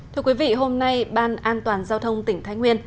thưa quý vị hôm nay ban an toàn giao thông tỉnh thái nguyên